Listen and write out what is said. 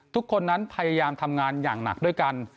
ทุกคนนั้นพยายามทำงานอย่างหนักด้วยกัน